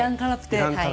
はい。